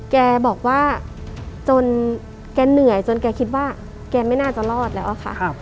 แกบอกว่าจนแกเหนื่อยจนแกคิดว่าแกไม่น่าจะรอดแล้วอะค่ะ